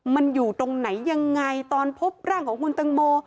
มันอยู่ตรงไหนยังไงตอนพบร่างของคุณตังโม